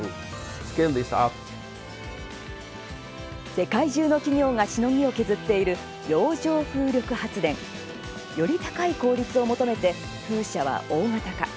世界中の企業がしのぎを削っている洋上風力発電。より高い効率を求めて風車は大型化。